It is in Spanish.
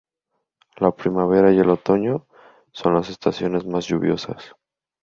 La primavera y el otoño son las estaciones más lluviosas.